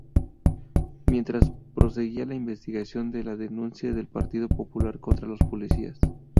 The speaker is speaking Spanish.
Mientras, proseguía la investigación de la denuncia del Partido Popular contra los policías.